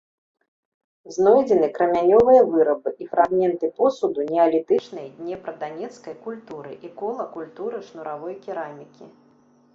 Знойдзены крамянёвыя вырабы і фрагменты посуду неалітычнай днепра-данецкай культуры і кола культуры шнуравой керамікі.